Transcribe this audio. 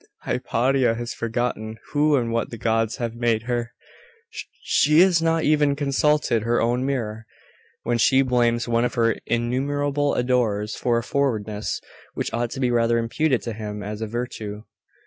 Hypatia has forgotten who and what the gods have made her she has not even consulted her own mirror, when she blames one of her innumerable adorers for a forwardness which ought to be rather imputed to him as a virtue.